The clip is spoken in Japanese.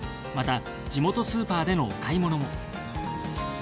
また地元スーパーでのお買い物も。